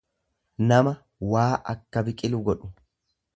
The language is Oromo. nama waa akka biqilu godhu.